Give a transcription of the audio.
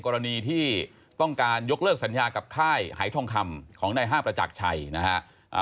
กรณีที่ต้องการยกเลิกสัญญากับค่ายหายทองคำของนายห้าประจักรชัยนะฮะ